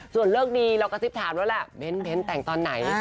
ส่วนเลิกดีเรากระซิบถามแล้วแหละเบ้นแต่งตอนไหน